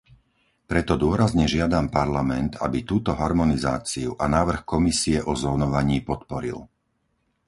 Preto dôrazne žiadam Parlament, aby túto harmonizáciu a návrh Komisie o zónovaní podporil.